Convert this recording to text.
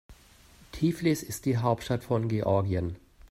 Tiflis ist die Hauptstadt von Georgien.